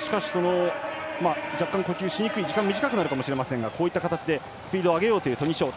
しかし、若干呼吸しにくい時間が短くなるかもしれませんがこういった形でスピードを上げようというトニ・ショー。